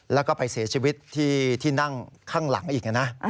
แล้วก็ไปเสียชีวิตที่นั่งข้างหลังอีกนะ